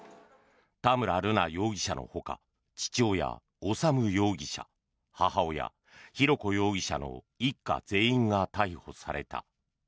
田村瑠奈容疑者のほか父親・修容疑者母親・浩子容疑者の一家全員が逮捕された。